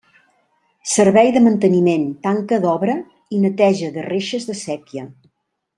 Servei de manteniment tanca d'obra i neteja de reixes de séquia.